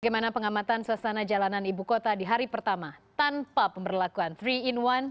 bagaimana pengamatan suasana jalanan ibu kota di hari pertama tanpa pemberlakuan tiga in satu